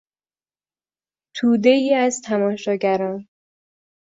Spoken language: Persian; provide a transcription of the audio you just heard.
تودهای از تماشاگران